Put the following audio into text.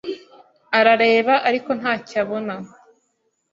Arareba ariko ntacyo abona.